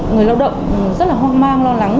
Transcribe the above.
người lao động rất là hoang mang lo lắng